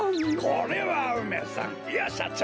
これは梅さんいやしゃちょう！